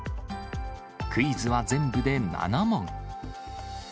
クイズは全部で７問。